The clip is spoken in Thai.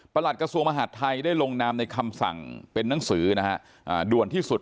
ประหลัดกระสวมหาธัยได้ลงนามในคำสั่งเป็นนังสือนะครับ